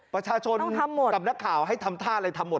ประชาชนกับนักข่าวให้ทำท่าอะไรทำหมด